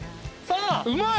うまい。